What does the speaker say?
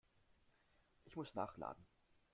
Ich muss nachladen.